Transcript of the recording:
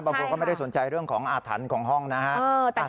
บางคนก็ไม่ได้สนใจเรื่องของอาถรรพ์ของห้องนะครับ